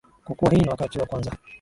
Kwa kuwa hii ni wakati wa kwanza.